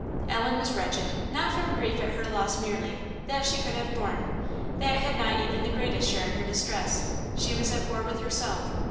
Ellen was wretched. Not from grief at her loss merely; that she could have borne; that had not even the greatest share in her distress; she was at war with herself.